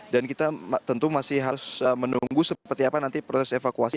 dan kita tentu masih harus menunggu seperti apa nanti proses evakuasi